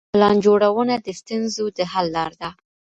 پلان جوړونه د ستونزو د حل لاره ده.